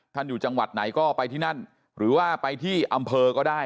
อยู่จังหวัดไหนก็ไปที่นั่นหรือว่าไปที่อำเภอก็ได้